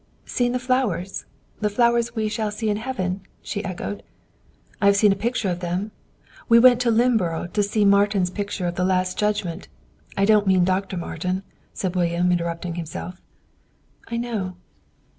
"Seen the flowers! The flowers we shall see in Heaven?" she echoed. "I have seen a picture of them. We went to Lynneborough to see Martin's picture of the Last Judgment I don't mean Dr. Martin," said William interrupting himself. "I know."